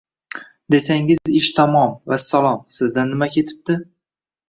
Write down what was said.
Desangiz ish tamom, vassalom, sizdan nima ketibdi